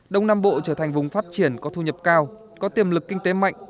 đông nam bộ trở thành vùng phát triển có thu nhập cao có tiềm lực kinh tế mạnh